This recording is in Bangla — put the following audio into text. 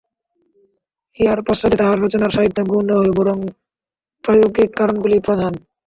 ইহার পশ্চাতে তাঁহার রচনার সাহিত্য গুণ নহে বরং প্রায়োগিক কারণগুলিই প্রধান।